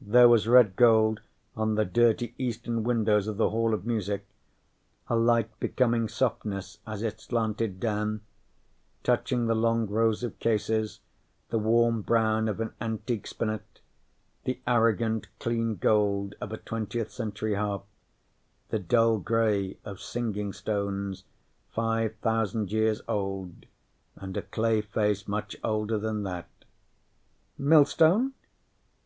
There was red gold on the dirty eastern windows of the Hall of Music, a light becoming softness as it slanted down, touching the long rows of cases, the warm brown of an antique spinet, the arrogant clean gold of a 20th century harp, the dull gray of singing stones five thousand years old and a clay face much older than that. "Millstone?"